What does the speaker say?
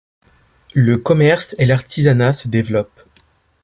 Le commerce et l'artisanat se développent.